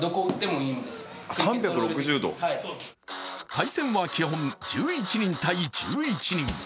対戦は基本１１人対１１人。